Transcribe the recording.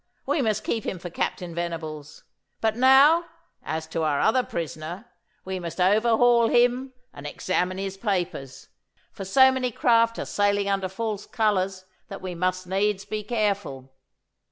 We must keep him for Captain Venables. But now, as to our other prisoner: we must overhaul him and examine his papers, for so many craft are sailing under false colours that we must needs be careful.